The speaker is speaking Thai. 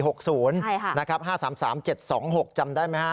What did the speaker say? ใช่ค่ะนะครับ๕๓๓๗๒๖จำได้ไหมฮะ